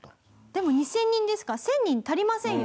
でも２０００人ですから１０００人足りませんよね。